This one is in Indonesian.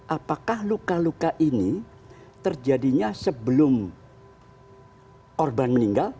apakah luka luka ini terjadinya sebelum korban meninggal